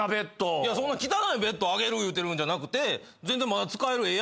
いやそんな汚いベッドあげる言うてるんじゃなくて全然まだ使えるええ